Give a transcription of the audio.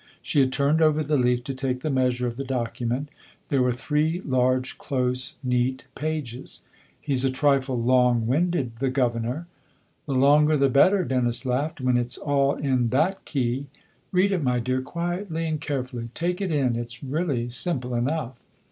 She had turned over the leaf to take the measure of the document ; there were three, large, close, neat pages. " He's a trifle long winded, the ' governor '!"" The longer the better," Dennis laughed, " when it's all in that key! Read it, my dear, quietly and carefully; take it in 'it's really simple enough.